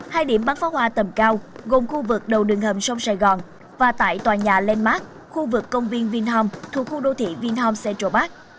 hai điểm bắn pháo hoa tầm cao gồm khu vực đầu đường hầm sông sài gòn và tại tòa nhà landmark khu vực công viên vinhom thuộc khu đô thị vinhom central park